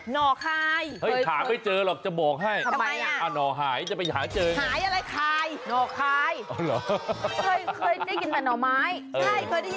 น่อคายเป็นยังไง